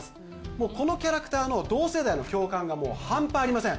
もうこのキャラクターの同世代の共感がもう半端ありません